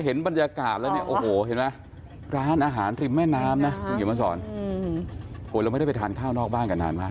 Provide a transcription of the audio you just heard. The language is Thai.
โหเราไม่ได้ไปทานข้าวนอกบ้านกันนานมาก